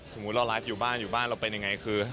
สมมุติเราไลฟ์อยู่บ้านอยู่บ้านเราเป็นยังไงคือ